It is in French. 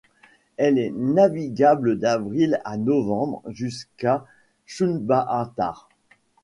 Elle est navigable d'avril à novembre jusqu'à Sükhbaatar.